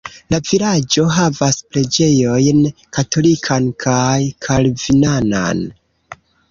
La vilaĝo havas preĝejojn katolikan kaj kalvinanan.